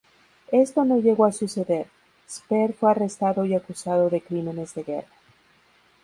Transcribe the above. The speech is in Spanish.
Esto no llegó a suceder: Speer fue arrestado y acusado de crímenes de guerra.